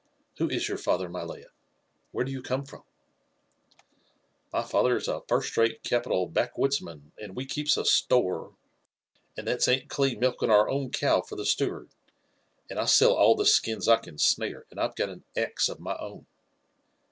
Who is your father, my lad? Where do you come from ?"" Hy father is a first rate capital back woodsman, and we keeps a store ; and that's Aunt Cli milking our own cow for the steward ; ^nd I sell all the skinsi can snare, and I've got ap axe of my own."